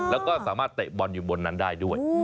แล้วก็สามารถเตะบอลอยู่บนนั้นได้ด้วย